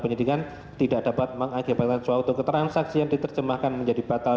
penyidikan tidak dapat mengakibatkan suatu keterangan saksi yang diterjemahkan menjadi batal